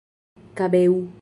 kabeu